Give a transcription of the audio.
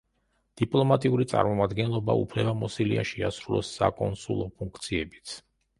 დიპლომატიური წარმომადგენლობა უფლებამოსილია შეასრულოს საკონსულო ფუნქციებიც.